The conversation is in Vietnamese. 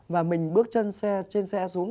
và mình bước chân trên xe xuống